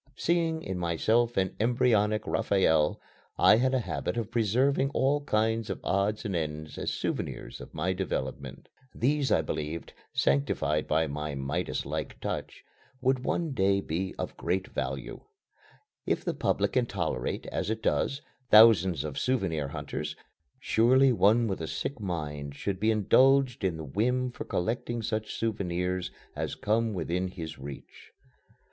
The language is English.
Seeing in myself an embryonic Raphael, I had a habit of preserving all kinds of odds and ends as souvenirs of my development. These, I believed, sanctified by my Midas like touch, would one day be of great value. If the public can tolerate, as it does, thousands of souvenir hunters, surely one with a sick mind should be indulged in the whim for collecting such souvenirs as come within his reach.